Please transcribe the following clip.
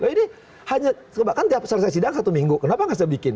ini hanya kan setelah saya sidang satu minggu kenapa nggak saya bikin